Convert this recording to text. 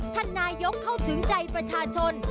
ท่านนายกเข้าถึงใจประชาชน